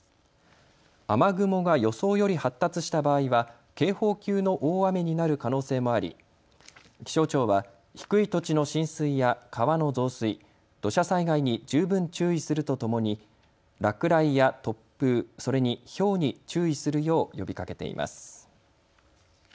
雨雲が予想より発達した場合は警報級の大雨になる可能性もあり気象庁は低い土地の浸水や川の増水、土砂災害に十分注意するとともに落雷や突風、それにひょうに注意するよう呼びかけています。